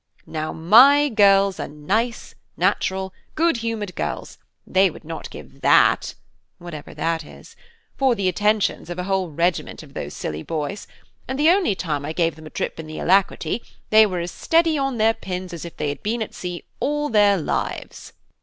"Now my girls are nice, natural, good humoured girls, they would not give that " (whatever that is) "for the attentions of a whole regiment of those silly boys; and the only time I gave them a trip in the Alacrity they were as steady on their pins as if they had been at sea all their lives."